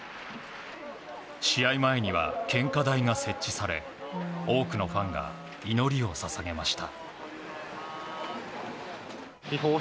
試合前には献花台が設置され多くのファンが祈りを捧げました。